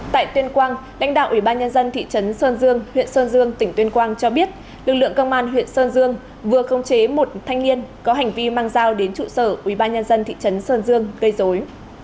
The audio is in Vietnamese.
tại tuyên quang đánh đạo ủy ban nhân dân thị trấn sơn dương huyện sơn dương tỉnh tuyên quang cho biết lực lượng công an huyện sơn dương vừa công chế một thanh niên có hành vi mang giao đến trụ sở ủy ban nhân dân thị trấn sơn dương gây dối